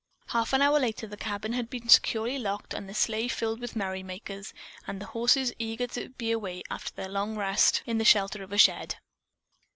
Half an hour later the cabin had been securely locked, the sleigh filled with merrymakers, and the horses eager to be away after their long rest in the shelter of a shed.